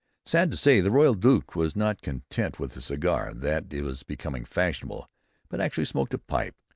Sad to say, the Royal Duke was not content with the cigar that was becoming fashionable, but actually smoked a pipe.